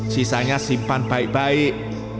sisanya simpan baik baik